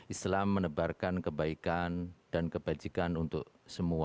islam menebarkan kebaikan dan kebajikan untuk semua